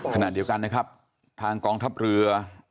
ขณะเดียวกันนะครับทางกองทัพเรือ